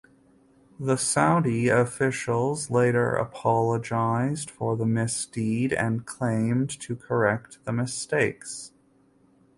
The Saudi officials later apologized for the misdeed and claimed to correct the mistakes.